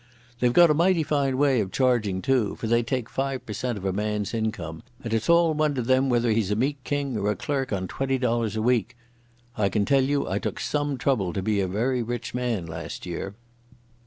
They've got a mighty fine way of charging, too, for they take five per cent of a man's income, and it's all one to them whether he's a Meat King or a clerk on twenty dollars a week. I can tell you I took some trouble to be a very rich man last year."